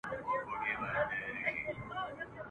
لوبي له لمبو سره بل خوند لري ..